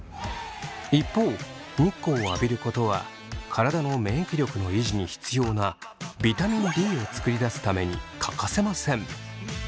一方日光を浴びることは体の免疫力の維持に必要なビタミンＤを作り出すために欠かせません。